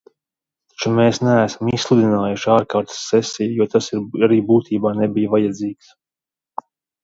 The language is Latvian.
Taču mēs neesam izsludinājuši ārkārtas sesiju, jo tas arī būtībā nebija vajadzīgs.